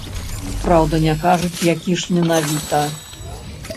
Праўда, не кажуць, які ж менавіта.